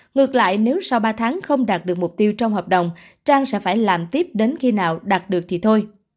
ngược lại nếu sau ba tháng không đạt được mục tiêu trong hợp đồng trang sẽ phải làm tiếp đến khi nào đạt được thì thôi